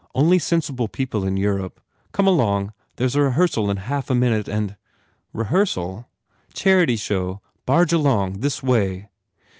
Only sensible people in Europe. Come along. There s a rehearsal in half a minute and "Rehearsal?" "Charity show. Barge along. This way."